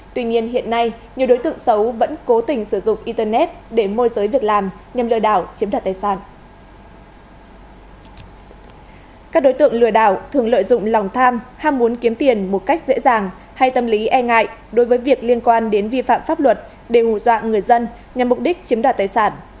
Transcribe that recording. tuy nhiên hiện nay nhiều đối tượng xấu vẫn cố tình sử dụng internet để môi giới việc làm nhằm chiếm đoạt tài sản